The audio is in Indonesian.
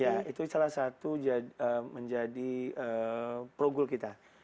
ya itu salah satu menjadi pro goal kita